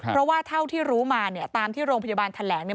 เพราะว่าเท่าที่รู้มาตามที่โรงพยาบาลแถลง